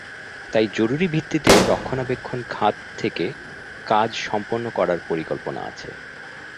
তাই জরুরি ভিত্তিতে রক্ষণাবেক্ষণ খাত থেকে কাজ সম্পন্ন করার পরিকল্পনা আছে।